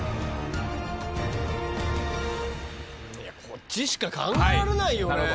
こっちしか考えられないよね。